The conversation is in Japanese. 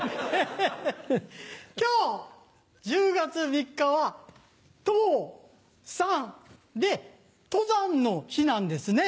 今日１０月３日は十三で登山の日なんですね。